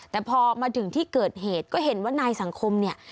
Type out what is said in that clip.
แต่พอมาถึงที่เกิดเหตุก็เห็นว่านายสังคมเนี่ย